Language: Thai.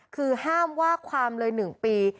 คือห้ามว่าความเลย๑ปี